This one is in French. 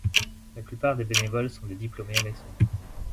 La plupart des bénévoles sont des diplômés récents.